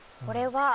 これは。